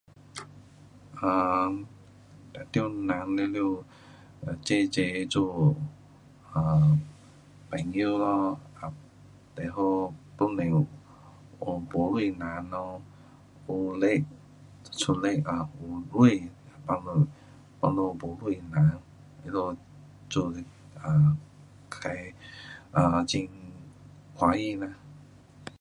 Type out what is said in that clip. um 当然人全部齐齐做 um 朋友咯。也不好都没有，没什人咯。古里，树上也没什，我们没什人，他们做，um 自的，um 很欢喜啦。